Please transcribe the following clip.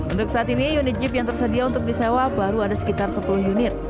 untuk saat ini unit jeep yang tersedia untuk disewa baru ada sekitar sepuluh unit